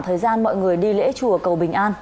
thời gian mọi người đi lễ chùa cầu bình an